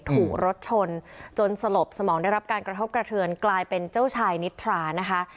ถูกรถชนจนสลบสมองได้รับการกระทบกระเทือนกลายเป็นเจ้าชายนิทรานะคะ